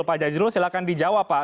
pak jazilul silahkan dijawab pak